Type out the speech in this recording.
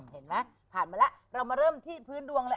เห็นไหมผ่านมาแล้วเรามาเริ่มที่พื้นดวงเลย